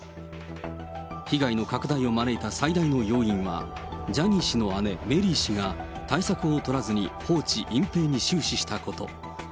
被害の拡大を招いた最大の要因は、ジャニー氏の姉、メリー氏が対策を取らずに放置、隠蔽に終始したこと。